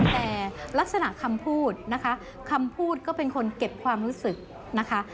แต่ลักษณะคำพูดนะคะคำพูดก็เป็นคนเก็บความรู้สึกนะคะ